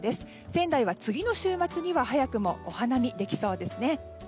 仙台は次の週末には早くもお花見ができそうですね。